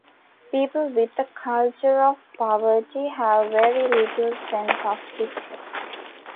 People with a culture of poverty have very little sense of history.